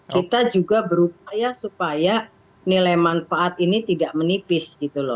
kita juga berupaya supaya nilai manfaat ini tidak menipis